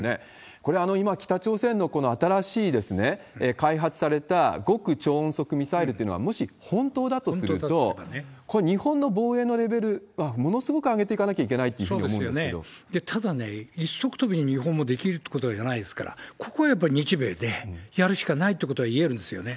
これは今、北朝鮮の新しい開発された極超音速ミサイルというのは、もし本当だとすると、これ、日本の防衛のレベル、ものすごく上げていかなきゃいけないっていうふうに思うんですけただね、一足飛びに日本もできるってことじゃないですから、ここはやっぱり日米でやるしかないってことはいえるんですよね。